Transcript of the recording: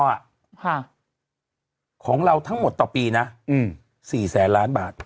ค่ะของเราทั้งหมดต่อปีนะ๔๐๐๐๐๐บาท